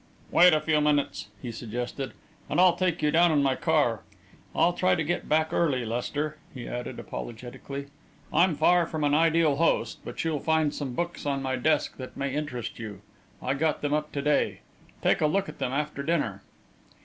"Wait a few minutes," he suggested, "and I'll take you down in my car. I'll try to get back early, Lester," he added, apologetically. "I'm far from an ideal host but you'll find some books on my desk that may interest you I got them up to day. Take a look at them after dinner."